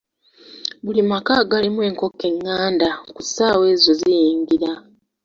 Buli maka agalimu enkoko enganda, ku ssaawa ezo ziyingira.